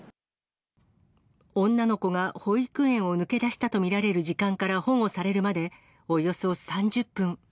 女の子が保育園を抜け出したと見られる時間から保護されるまで、およそ３０分。